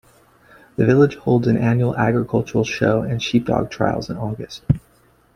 The village holds an annual agricultural show and sheepdog trials in August.